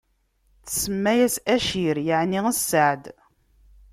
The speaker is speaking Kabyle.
Tsemma-yas Acir, yeɛni sseɛd.